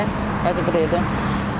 kayak seperti itu